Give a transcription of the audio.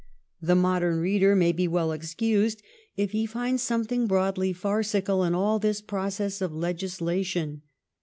The modern reader may be well excused if he finds something broadly farcical in all this process of legislation.